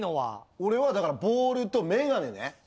俺はだからボールとメガネね。